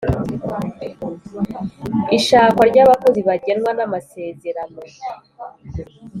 ishakwa ryabakozi bagenwa namasezerano